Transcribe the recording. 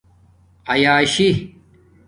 ایاشی